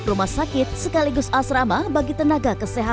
rumah sakit sekaligus asrama bagi tenaga kesehatan